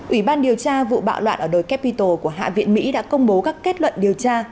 ủy ban điều tra vụ bạo loạn ở đồi capital của hạ viện mỹ đã công bố các kết luận điều tra